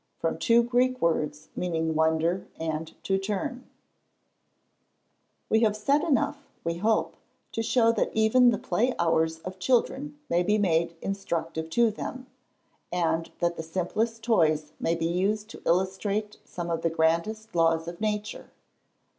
_ From two Greek words, meaning wonder and to turn. We have said enough, we hope, to show that even the play hours of children may be made instructive to them; and that the simplest toys may be used to illustrate some of the grandest laws of nature.